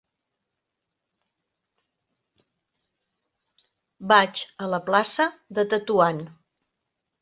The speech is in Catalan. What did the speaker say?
Vaig a la plaça de Tetuan.